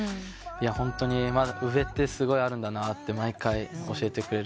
ホントに上ってすごいあるんだなと毎回教えてくれる人ですね。